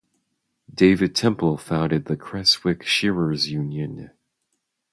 David Temple founded the Creswick Shearers Union.